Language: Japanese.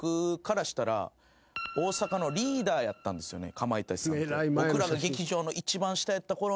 かまいたちさんって。